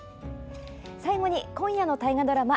最後に今夜の大河ドラマ